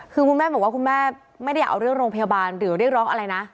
คือคุณแม่บอกว่าคุณแม่ไม่ได้อยากเอาเรื่องโรงพยาบาลหรือเรียกร้องอะไรนะ